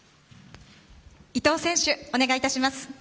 伊藤選手、お願いいたします。